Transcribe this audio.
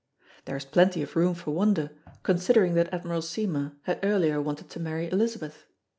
There is plenty of room for wonder, considering that Admiral Seymour had earlier wanted to marry Elizabeth.